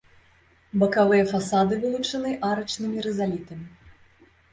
Бакавыя фасады вылучаны арачнымі рызалітамі.